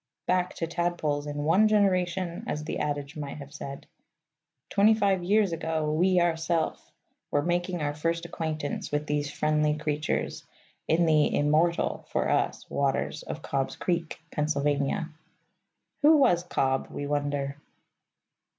Back to tadpoles in one generation, as the adage might have said. Twenty five years ago we ourself were making our first acquaintance with these friendly creatures, in the immortal (for us) waters of Cobb's Creek, Pennsylvania. (Who was Cobb, we wonder?)